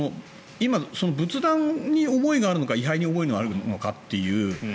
仏壇に思いがあるのか位牌に思いがあるのかっていう。